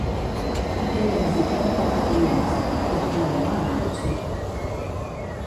Aquella visita tampoc va tenir èxit, hi tornareu a anar potser?